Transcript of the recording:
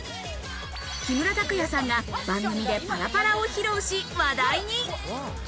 木村拓哉さんが番組でパラパラを披露し、話題に。